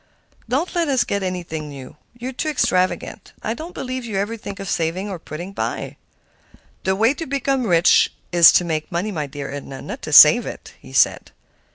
Don't let us get anything new; you are too extravagant. I don't believe you ever think of saving or putting by." "The way to become rich is to make money, my dear Edna, not to save it," he said.